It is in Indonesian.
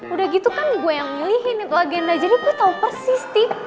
udah gitu kan gue yang ngelihin itu agenda jadi gue tau persis sik